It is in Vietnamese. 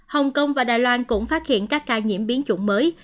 hồng kông và đài loan cũng phát hiện các ca nhiễm biến chủng mới